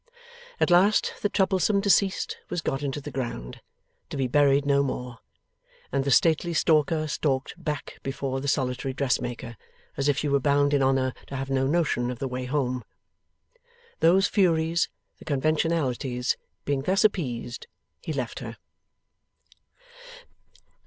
At last the troublesome deceased was got into the ground, to be buried no more, and the stately stalker stalked back before the solitary dressmaker, as if she were bound in honour to have no notion of the way home. Those Furies, the conventionalities, being thus appeased, he left her.